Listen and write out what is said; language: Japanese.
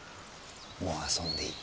もう遊んでいい。